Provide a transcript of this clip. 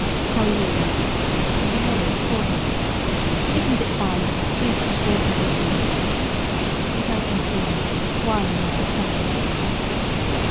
"How are you, Russ?" and he nodded cordially. "Isn't it fine to have two such daughters as these?" He held them to him one on either side.